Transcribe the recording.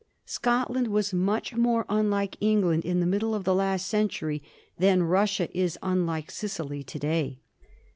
Scotland was more unlike Eng land in the middle of the last century than Russia is unlike Sicily to day.